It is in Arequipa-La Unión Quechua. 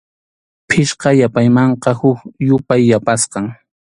Pichqa yupaymanqa huk yupay yapasqam.